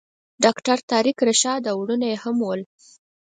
ډاکټر طارق رشاد او وروڼه یې هم ول.